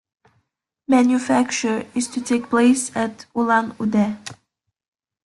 Manufacture is to take place at Ulan-Ude.